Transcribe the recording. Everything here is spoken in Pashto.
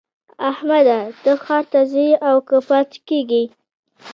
احمده! ته ښار ته ځې او که پاته کېږې؟